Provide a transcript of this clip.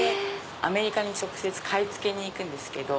アメリカに直接買い付けに行くんですけど。